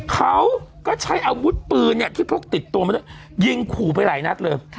เขาก็ใช้อาวุธปือติดตรงยิงขู่ไปไหลนัดเริ่ม